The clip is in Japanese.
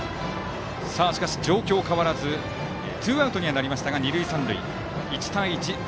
状況は変わらずツーアウトにはなりましたが二塁三塁。